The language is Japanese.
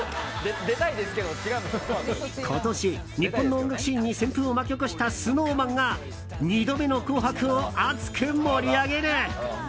今年、日本の音楽シーンに旋風を巻き起こしたＳｎｏｗＭａｎが、２度目の「紅白」を熱く盛り上げる。